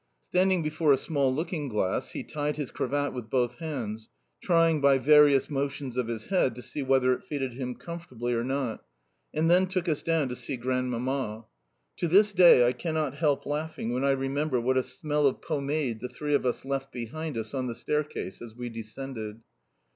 Standing before a small looking glass, he tied his cravat with both hands trying, by various motions of his head, to see whether it fitted him comfortably or not and then took us down to see Grandmamma. To this day I cannot help laughing when I remember what a smell of pomade the three of us left behind us on the staircase as we descended.